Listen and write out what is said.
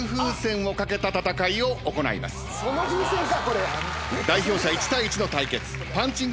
その風船かこれ。